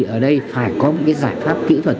ở đây phải có một cái giải pháp kỹ thuật